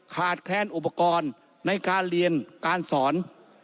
ขาดแคลนอุปกรณ์ในการเรียนการสอน